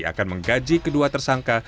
akan menggaji kedua tersangka